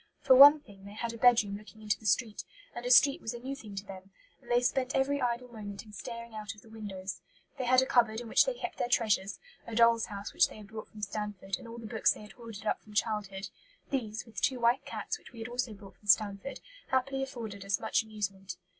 For one thing, they had a bedroom looking into the street, and a street was a new thing to them, and they spent every idle moment in staring out of the windows. They had a cupboard in which they kept their treasures a dolls' house which they had brought from Stanford, and all the books they had hoarded up from childhood; "these, with two white cats, which we had also brought from Stanford, happily afforded us much amusement."